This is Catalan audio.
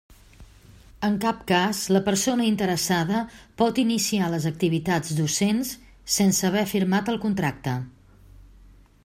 En cap cas la persona interessada pot iniciar les activitats docents sense haver firmat el contracte.